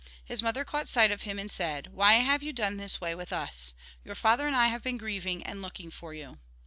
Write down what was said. His mother caught sight of him, and said :" Why have you done this way with us ? Your father and I have been grieving, and looking for you."